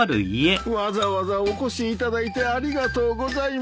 わざわざお越しいただいてありがとうございます。